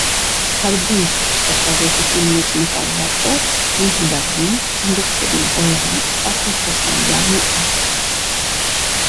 «Արբունք» ստեղծագործության մեջ նկարված է նիհարավուն, ամբողջովին հոլանի տասնչորսամյա մի աղջիկ։